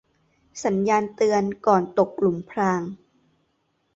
สัญญาณเตือนก่อนตกหลุมพราง